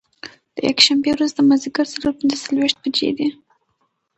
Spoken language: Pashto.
د یکشنبې ورځ د مازدیګر څلور پنځه څلوېښت بجې دي.